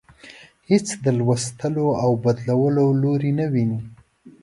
هیڅ د لوستلو او بدلولو لوری نه ويني.